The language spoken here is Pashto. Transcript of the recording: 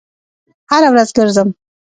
هره ورځ ګرځم